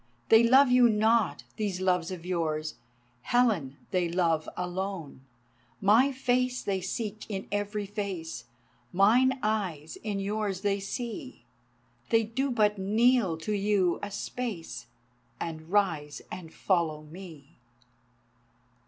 They love you not, these loves of yours, Helen they love alone! My face they seek in every face, Mine eyes in yours they see, They do but kneel to you a space, And rise and follow _me!